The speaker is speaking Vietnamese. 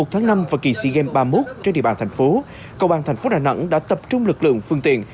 một tháng năm và kỳ si game ba mươi một trên địa bàn thành phố công an thành phố đà nẵng đã tập trung lực lượng phương tiện